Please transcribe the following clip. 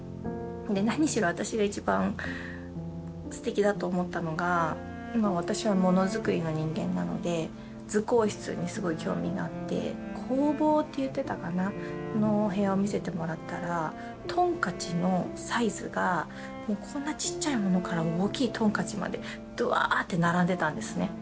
何しろ私が一番すてきだと思ったのが私はもの作りの人間なので図工室にすごい興味があって工房って言ってたかな？のお部屋を見せてもらったらトンカチのサイズがこんなちっちゃいものから大きいトンカチまでドワって並んでたんですね。